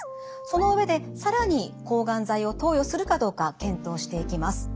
その上で更に抗がん剤を投与するかどうか検討していきます。